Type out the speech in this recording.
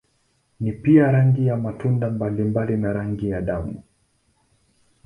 Ni pia rangi ya matunda mbalimbali na rangi ya damu.